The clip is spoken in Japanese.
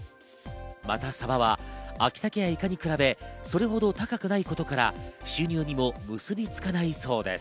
またサバは秋サケやイカに比べそれほど高くないことから、収入にも結びつかないそうです。